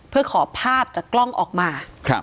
เพื่อขอภาพจากกล้องออกมา